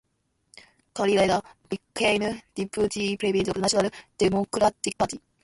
Connolly later became deputy president of the National Democratic Party.